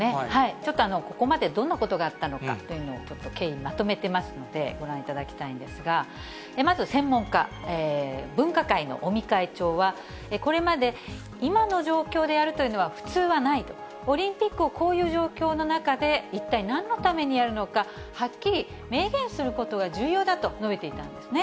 ちょっとここまでどんなことがあったのかというのを、ちょっと経緯、まとめてますのでご覧いただきたいんですが、まず専門家、分科会の尾身会長は、これまで、今の状況でやるというのは、普通はないと、オリンピックをこういう状況の中で、一体、なにのためにやるのか、はっきり明言することが重要だと述べていたんですね。